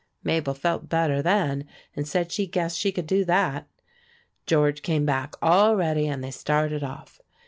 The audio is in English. Mabel felt better then, and said she guessed she could do that. George came back all ready, and they started off.